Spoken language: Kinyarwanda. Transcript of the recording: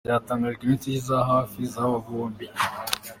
byatangajwe ninshuti za hafi zaba bombi.